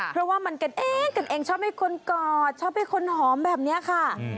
เพราะว่ามันกันเองกันเองชอบให้คนกอดชอบให้คนหอมแบบนี้ค่ะ